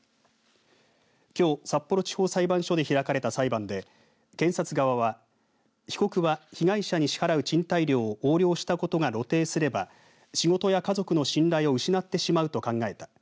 きょう、札幌地方裁判所で開かれた裁判で検察側は被告は被害者に支払う賃貸料を横領したことが露呈すれば仕事や家族の信頼を失ってしまうと考えた。